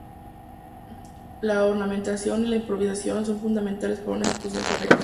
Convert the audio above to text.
La ornamentación y la improvisación son fundamentales para una ejecución correcta.